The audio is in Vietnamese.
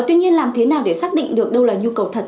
tuy nhiên làm thế nào để xác định được đâu là nhu cầu thật